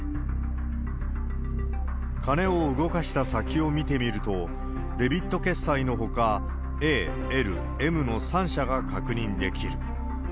金を動かした先を見てみると、デビット決済のほか、Ａ、Ｌ、Ｍの３社が確認できる。